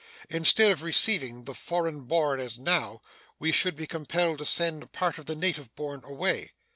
Instead of receiving the foreign born as now, we should be compelled to send part of the native born away.